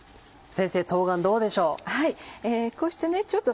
先生冬瓜どうでしょう？